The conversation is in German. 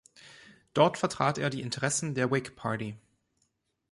Dort vertrat er die Interessen der Whig Party.